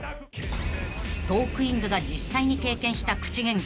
［トークィーンズが実際に経験した口ゲンカ］